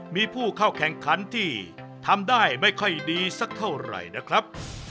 มีผู้เข้าแข่งขันที่ทำได้ไม่ค่อยดีสักเท่าไหร่นะครับ